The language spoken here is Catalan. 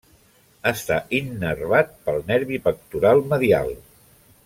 Està innervat pel nervi pectoral medial.